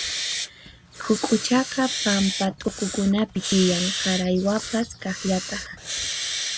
Huk'uchaqa pampa t'uqukunapi tiyan, qaraywapas kaqllataq.